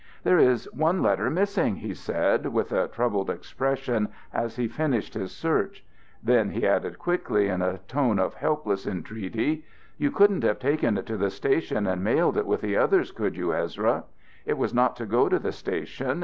"There is one letter missing," he said, with a troubled expression, as he finished his search. Then he added quickly, in a tone of helpless entreaty: "You couldn't have taken it to the station and mailed it with the others, could you, Ezra? It was not to go to the station.